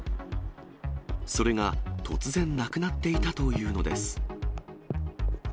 それが突然なくなっていたというのです。